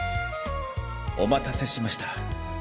お待たせしました。